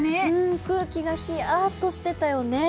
空気がヒヤッとしてたよね。